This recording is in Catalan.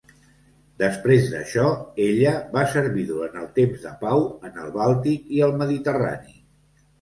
Després d'això, ella va servir durant el temps de pau en el Bàltic i el Mediterrani.